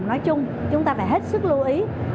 nói chung chúng ta phải hết sức lưu ý